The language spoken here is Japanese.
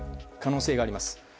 可能性があります。